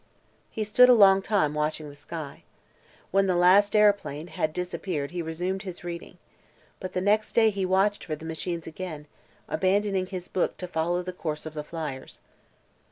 He stood a long time, watching the sky. When the last aeroplane had disappeared he resumed his reading. But the next day he watched for the machines again, abandoning his book to follow the course of the flyers.